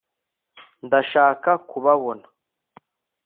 ndashaka kubabona